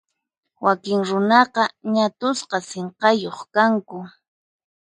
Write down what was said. Wakin runaqa ñat'usqa sinqayuq kanku.